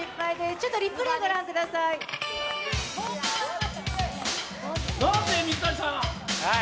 ちょっとリプレー御覧ください。